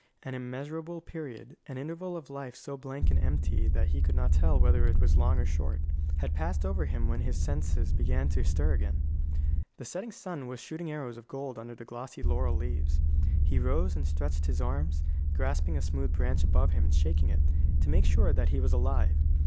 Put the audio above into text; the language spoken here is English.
An immeasurable period, an interval of life so blank and empty that he could not tell whether it was long or short, had passed over him when his senses began to stir again. The setting sun was shooting arrows of gold under the glossy laurel leaves. He rose and stretched his arms, grasping a smooth branch above him and shaking it, to make sure that he was alive.